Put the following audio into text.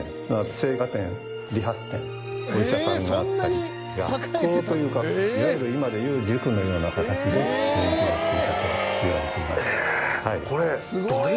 青果店理髪店お医者さんがあったり学校というかいわゆる今で言う塾のような形で勉強していたといわれています。